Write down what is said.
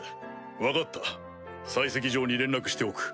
分かった採石場に連絡しておく。